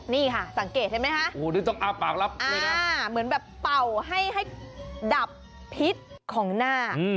นี่ค่ะสังเกตเห็นไหมคะเหมือนแบบเป่าให้ดับพิษของนาค